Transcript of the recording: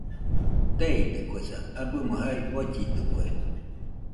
Teeidɨkuesa, abɨmo jae bollidɨkue